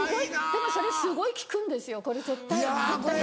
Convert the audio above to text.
でもそれすごい効くんですよこれ絶対やってほしい。